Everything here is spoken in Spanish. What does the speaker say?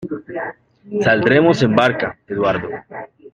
Saldremos en barca, Eduardo.